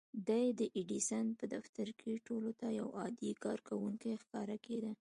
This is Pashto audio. دی د ايډېسن په دفتر کې ټولو ته يو عادي کارکوونکی ښکارېده.